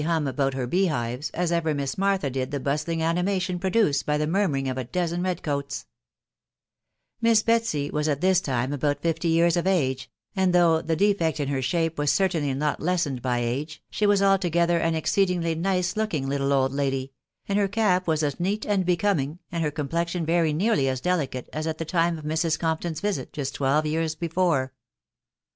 hum about her bee hives, as ever Miss Martha did tiie Bustling animation produced by the murmuring of a doze* though th ey W&* at tn*8 t*me aD0Ut fifty year* of age, and ge, she n^ defect in her shape was certainly not lessened by *tf ^together an exceedingly nice looking little old 30 TBS WIDOW BAMNAWY. lady ; and her cap was aa neat and becoming, and her com* plexion very nearly as delicate, as at the time of Mrs. Comp ton's visit just twelve years before.